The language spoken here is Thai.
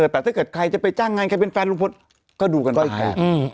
แต่ถ้าเกิดใครจะไปจ้างงานใครเป็นแฟนลุงพลก็ดูกันว่าใคร